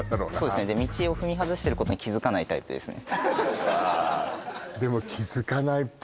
で道を踏み外してることに気付かないタイプですね